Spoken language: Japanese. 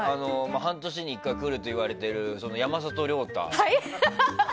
半年に１回来るといわれている山里亮太。